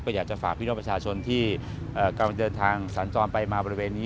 อยากจะฝากพี่น้องประชาชนที่กำลังเดินทางสัญจรไปมาบริเวณนี้